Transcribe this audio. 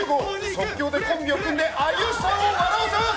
即興でコンビを組んで、有吉さんを笑わせます！